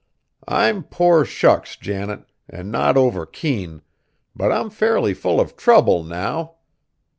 I'm poor shucks, Janet, an' not over keen; but I'm fairly full of trouble now!"